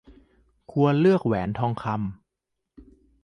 ควรเลือกแหวนทองคำ